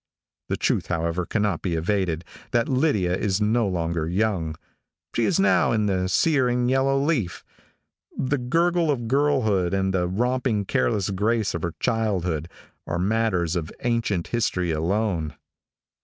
The truth, however, cannot be evaded, that Lydia is no longer young. She is now in the sere and yellow leaf. The gurgle of girlhood, and the romping careless grace of her childhood, are matters of ancient history alone.